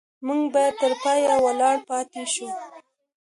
موږ باید تر پایه ولاړ پاتې شو.